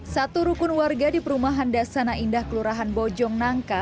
satu rukun warga di perumahan dasana indah kelurahan bojong nangka